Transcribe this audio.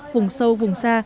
vùng sâu vùng xa